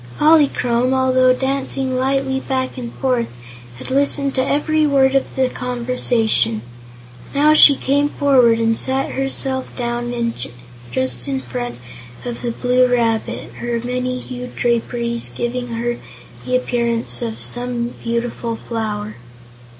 Polychrome, although dancing lightly back and forth, had listened to every word of the conversation. Now she came forward and sat herself down just in front of the Blue Rabbit, her many hued draperies giving her the appearance of some beautiful flower.